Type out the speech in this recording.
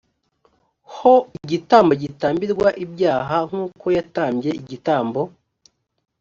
ho igitambo gitambirwa ibyaha nk uko yatambye igitambo